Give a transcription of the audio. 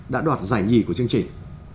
đã đoạt giải nhì của chương trình